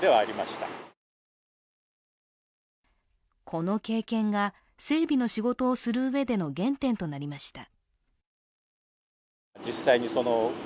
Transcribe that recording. この経験が、整備をする仕事をするうえでの原点となりました。